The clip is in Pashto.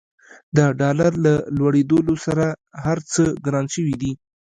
د ډالر له لوړېدولو سره هرڅه ګران شوي دي.